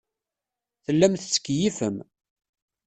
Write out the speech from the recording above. Tellam tettkeyyifem.